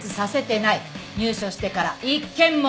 入所してから一件も。